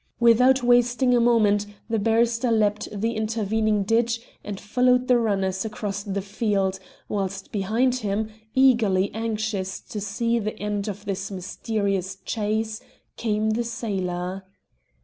Without wasting a moment the barrister leapt the intervening ditch and followed the runners across the field, whilst behind him, eagerly anxious to see the end of this mysterious chase, came the sailor.